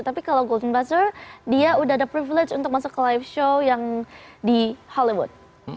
tapi kalau golden buzzer dia udah ada privilege untuk masuk ke live show yang di hollywood